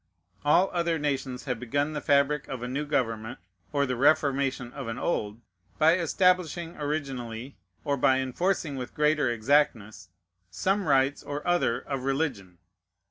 All other nations have begun the fabric of a new government, or the reformation of an old, by establishing originally, or by enforcing with greater exactness, some rites or other of religion.